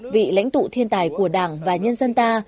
vị lãnh tụ thiên tài của đảng và nhân dân ta